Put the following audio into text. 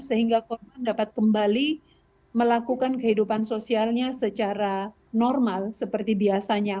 sehingga korban dapat kembali melakukan kehidupan sosialnya secara normal seperti biasanya